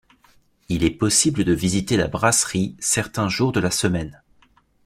Il est possible de visiter la brasserie certains jours de la semaine.